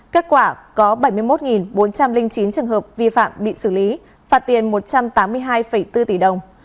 kết quả có bảy mươi một bốn trăm linh chín trường hợp vi phạm bị xử lý phạt tiền một trăm tám mươi hai bốn tỷ đồng